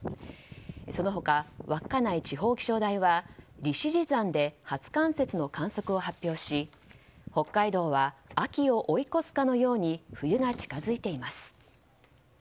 その他、稚内地方気象台は利尻山で初冠雪の観測を発表し北海道は秋を追い越すかのように冬が近づいています。